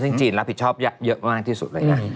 ซึ่งจีนรับผิดชอบเยอะมากที่สุดเลยนะ